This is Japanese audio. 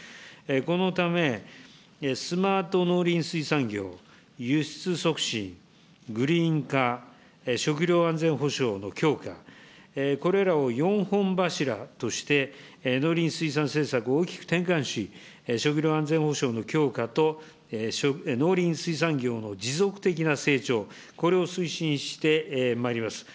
このため、スマート農林水産業、輸出促進、グリーン化、食料安全保障の強化、これらを４本柱として、農林水産政策を大きく転換し、食料安全保障の強化と農林水産業の持続的な成長、これを推進してまいります。